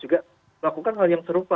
juga melakukan hal yang serupa